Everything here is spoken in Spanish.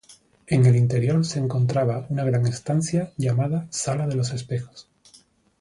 En el interior se encontraba una gran estancia llamada sala de los espejos.